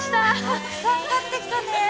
たくさん買ってきたね